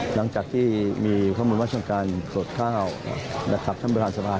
หลังจากที่มีข้อมูลวัฒนการเผิกข้าวระทับท่านประธานสภา